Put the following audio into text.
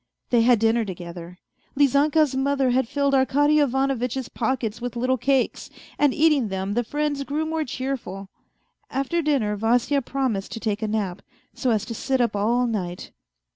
They had dinner together. Lizanka's mother had filled Arkady Ivanovitch's pockets with little cakes, and eating them the friends grew more cheerful. After dinner Vasya promised to take a nap, so as to sit up all night.